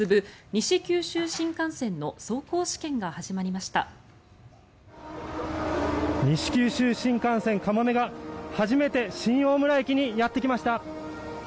西九州新幹線かもめが初めて新大村駅にやってきました。